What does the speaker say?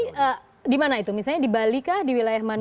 jadi di mana itu misalnya di bali kah di wilayah mana